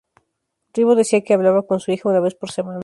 Ribó decía que hablaba con su hija una vez por semana.